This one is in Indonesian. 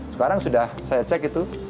sekarang sudah saya cek itu